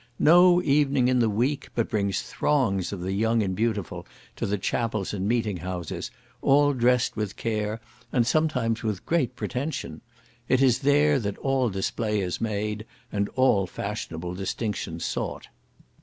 No evening in the week but brings throngs of the young and beautiful to the chapels and meeting houses, all dressed with care, and sometimes with great pretension; it is there that all display is made, and all fashionable distinction sought.